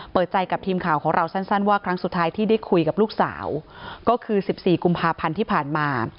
เปิดใจกับทีมข่าวของเราสั้นว่าครั้งสุดท้ายที่ได้คุยกับลูกสาวก็คือ๑๔กุมภาพันธ์ที่ผ่านมา